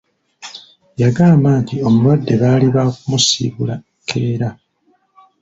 Yagamba nti omulwadde baali ba kumusiibula nkeera.